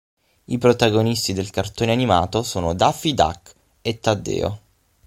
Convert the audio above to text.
I protagonisti del cartone animato sono Daffy Duck e Taddeo.